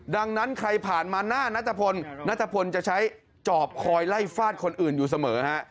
ดังนั้นใครผ่านมาหน้านัทพลนัทพลจะใช้จอบคอยไล่ฟาดคนอื่นอยู่เสมอฮะ